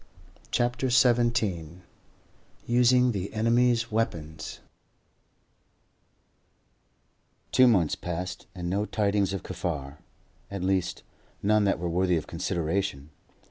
CHAPTER XVII USING THE ENEMY'S WEAPONS Two months passed, and no tidings of Kaffar at least, none that were worthy of consideration.